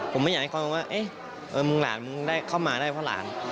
ผมไม่อยากให้เขามองว่าเอ๊ะมึงหลานมึงได้เข้ามาได้เพราะหลาน